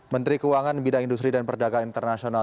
menteri keuangan bidang industri dan perdagangan internasional